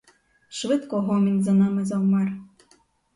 Швидко гомін за нами завмер.